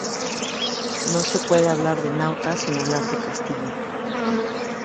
No se puede hablar de Nauta sin hablar de Castilla.